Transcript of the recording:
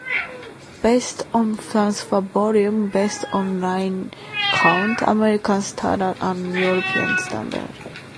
Based on transfer volume, based on line count, American standard and European standard.